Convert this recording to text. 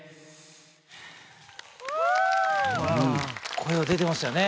声は出てましたよね。